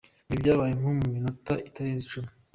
Ibi byabaye nko mu minota itarenze icumi.